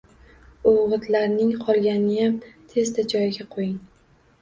O‘g‘itning qolganiniyam tezda joyiga qo‘ying